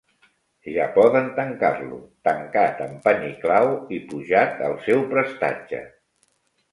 Ja poden tancar-lo, tancat amb pany i clau i pujat al seu prestatge